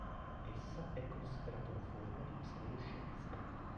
Essa è considerata una forma di pseudoscienza.